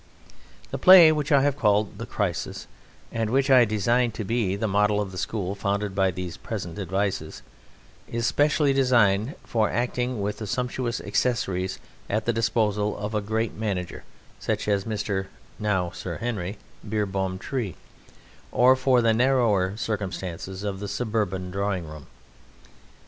The play which I have called "The Crisis," and which I design to be the model of the school founded by these present advices is specially designed for acting with the sumptuous accessories at the disposal of a great manager, such as Mr. (now Sir Henry) Beerbohm Tree, or for the narrower circumstances of the suburban drawing room.